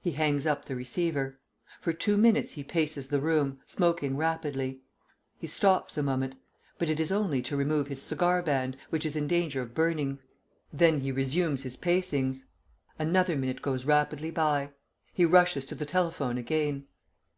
He hangs up the receiver. For two minutes he paces the room, smoking rapidly. He stops a moment ... but it is only to remove his cigar band, which is in danger of burning. Then he resumes his pacings. Another minute goes rapidly by. He rushes to the telephone again.